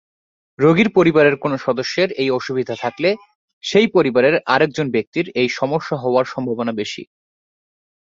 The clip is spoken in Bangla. রোগীর পরিবারের কোন সদস্যের এই অসুবিধা থাকলে, সেই পরিবারের আর একজন ব্যক্তির এই সমস্যা হওয়ার সম্ভাবনা বেশি।